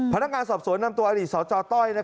พนักงานสอบสวนนำตัวอดีตสจต้อย